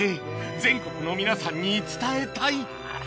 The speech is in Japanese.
全国の皆さんに伝えたい